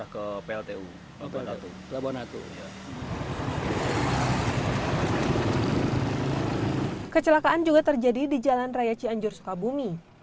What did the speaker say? kecelakaan juga terjadi di jalan raya cianjur sukabumi